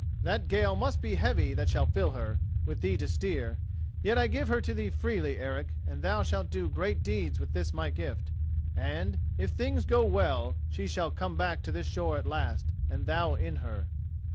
That gale must be heavy that shall fill her, with thee to steer; yet I give her to thee freely, Eric, and thou shalt do great deeds with this my gift, and, if things go well, she shall come back to this shore at last, and thou in her."